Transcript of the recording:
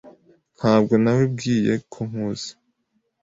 Ntabwo nawebwiye ko nkuzi.